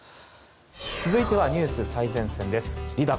続いてはニュース最前線です。